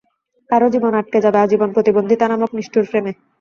কারও জীবন আটকে যাবে আজীবন প্রতিবন্ধিতা নামক নিষ্ঠুর ফ্রেমে।